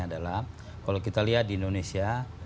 adalah kalau kita lihat di indonesia